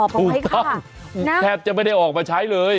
ถูกต้องแทบจะไม่ได้ออกมาใช้เลย